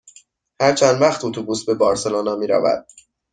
هر چند وقت اتوبوس به بارسلونا می رود؟